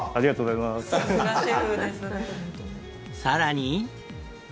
さらに。